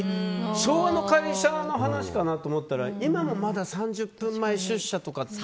昭和の会社の話かなと思ったら今もまだ３０分前出社とかって。